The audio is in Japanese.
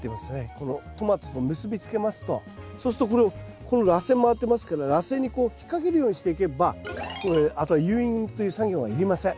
このトマトと結び付けますとそうするとこのらせん回ってますけどらせんに引っ掛けるようにしていけばあとは誘引という作業はいりません。